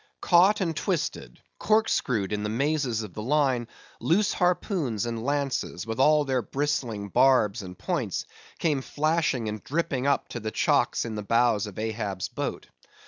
Caught and twisted—corkscrewed in the mazes of the line, loose harpoons and lances, with all their bristling barbs and points, came flashing and dripping up to the chocks in the bows of Ahab's boat.